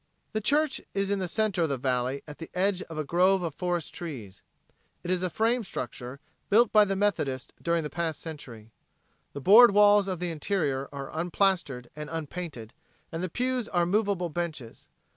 The church is in the center of the valley at the edge of a grove of forest trees. It is a frame structure, built by the Methodists during the past century. The board walls of the interior are unplastered and unpainted, and the pews are movable benches.